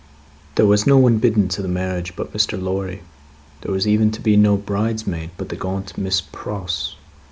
There was no one bidden to the marriage but Mr. Lorry; there was even to be no bridesmaid but the gaunt Miss Pross.